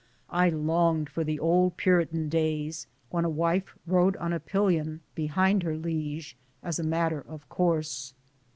I longed for the old Puritan days, when a wife rode on a pillion be hind her liege as a matter of course.